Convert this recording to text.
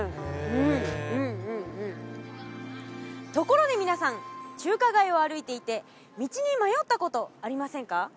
うんうんうんうんところで皆さん中華街を歩いていて道に迷ったことありませんか？